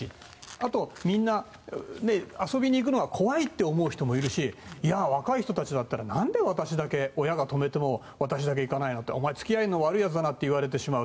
あと、みんな、遊びに行くのが怖いっていう人もいるしいや、若い人たちだったら何で私だけ親が止めても私だけ行かないのって付き合いの悪いやつだなって言われてしまう。